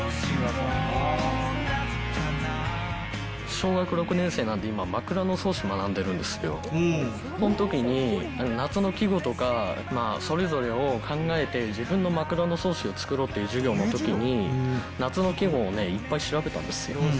小学６年生なんで、今、枕草子学んでるんですよ、そのときに夏の季語とか、それぞれを考えて、自分の枕草子を作ろうという授業のときに、夏の季語をね、いっぱい調べたんですよ。